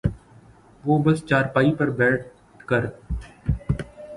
وہ بس چارپائی پر بیٹھ کر